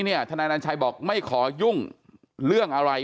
เพราะทนายอันนันชายชายเดชาบอกว่าจะเป็นการเอาคืนยังไง